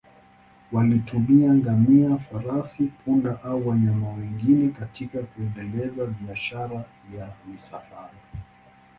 Walitumia ngamia, farasi, punda au wanyama wengine katika kuendeleza biashara ya misafara.